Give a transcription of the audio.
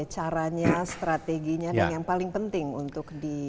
bagaimana strategi yang paling penting untuk diketapkan